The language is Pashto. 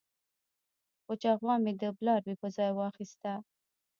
وچه غوا مې د بلاربې په ځای واخیسته.